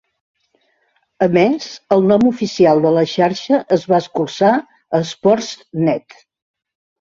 A més, el nom oficial de la xarxa es va escurçar a Sportsnet.